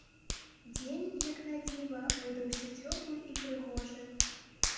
Дзень, як на дзіва, выдаўся цёплы і прыгожы.